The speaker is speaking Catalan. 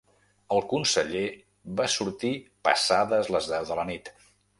El conseller va sortir passades les deu de la nit.